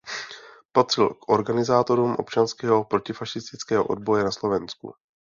Patřil k organizátorům občanského protifašistického odboje na Slovensku.